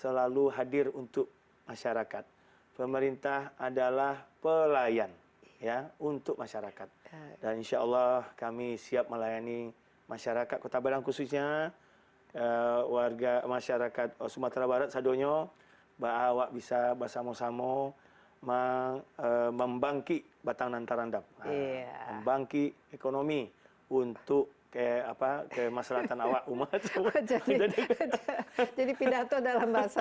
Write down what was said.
selalu hadir untuk masyarakat pemerintah adalah pelayan ya untuk masyarakat dan insyaallah kami siap melayani masyarakat kota padang khususnya warga masyarakat sumatera barat sadonya bahwa bisa bersama sama membangkit batang nantarandam bangkit ekonomi untuk ke dua kemasratan awak umat jadi pindah dalam bahasa